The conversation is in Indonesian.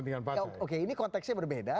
tapi ini konteksnya berbeda